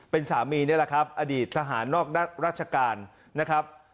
เป็นสามีนี่แหละครับอดีตทหารนอกราชการนะครับ